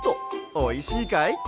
おいしいかい？